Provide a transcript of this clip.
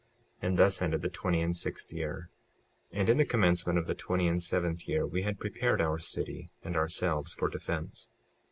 And thus ended the twenty and sixth year. And in the commencement of the twenty and seventh year we had prepared our city and ourselves for defence.